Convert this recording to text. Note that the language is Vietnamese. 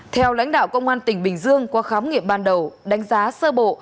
theo lãnh đạo công an tỉnh bình dương qua khám nghiệm ban đầu đánh giá sơ bộ